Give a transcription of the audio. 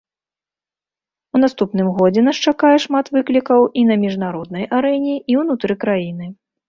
У наступным годзе нас чакае шмат выклікаў і на міжнароднай арэне, і ўнутры краіны.